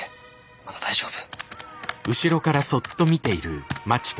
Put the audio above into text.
まだ大丈夫。